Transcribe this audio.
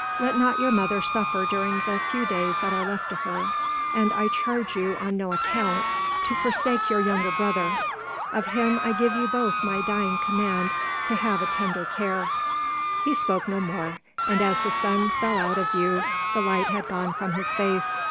Let not your mother suffer during the few days that are left to her; and I charge you, on no account, to forsake your younger brother. Of him I give you both my dying command to have a tender care." He spoke no more, and as the sun fell out of view the light had gone from his face.